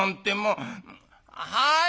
はい！